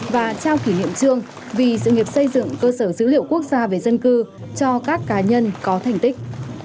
và trao kỷ niệm trương vì sự nghiệp xây dựng cơ sở dữ liệu quốc gia về dân cư cho các cá nhân có thành tích